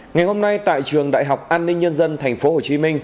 ngày hôm nay tại trường đại học an ninh nhân dân tp hcm